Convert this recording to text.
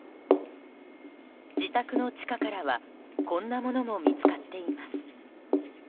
自宅の地下からはこんなものも見つかっています。